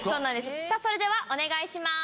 それではお願いします。